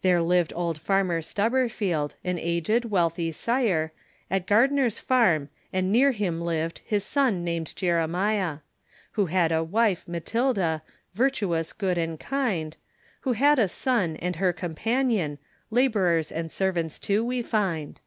There lived old Farmer Stubberfield, An aged, wealthy sire, At Gardner's Farm, and near him lived, His son, named Jeremiah; Who had a wife, Matilda, Virtuous, good, and kind, Who had a son, and her companion, Labourers and servants, too, we find.